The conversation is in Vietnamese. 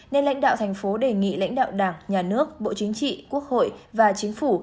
nên lãnh đạo thành phố đề nghị lãnh đạo đảng nhà nước bộ chính trị quốc hội và chính phủ